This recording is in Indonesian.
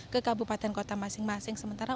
ke kabupaten kota masing masing sementara